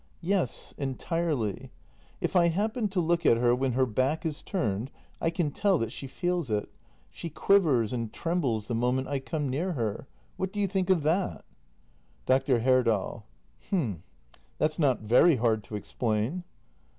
Yes, entirely. If I happen to look at her when her back is turned, I can tell that she feels it. She quivers and trembles the moment I come near her. What do you think of that? Dr. Herdal. H'm — that's not very hard to explain.